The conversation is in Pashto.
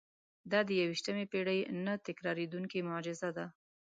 دا د یوویشتمې پېړۍ نه تکرارېدونکې معجزه ده.